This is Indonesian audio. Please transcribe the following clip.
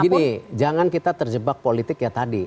gini jangan kita terjebak politik kayak tadi